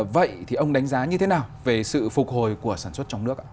vậy thì ông đánh giá như thế nào về sự phục hồi của sản xuất trong nước ạ